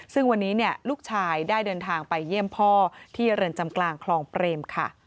ซึ่งวันนี้ลูกชายได้เดินทางไปเยี่ยมพ่อที่เรือนจำกลางคลองเปรมค่ะ